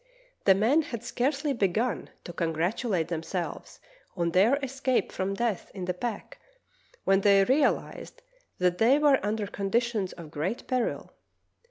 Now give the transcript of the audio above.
The men had scarcely begun to congratulate themselves on their escape from death in the pack when they real ized that they were under conditions of great peril.